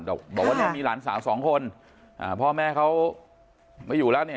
บอกว่าเนี่ยมีหลานสาวสองคนอ่าพ่อแม่เขาไม่อยู่แล้วเนี่ย